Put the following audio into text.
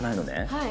はい。